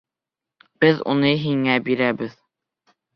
Беҙ уны һиңә бирәбеҙ!